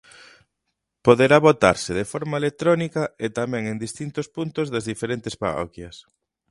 Poderá votarse de forma electrónica e tamén en distintos puntos das diferentes parroquias.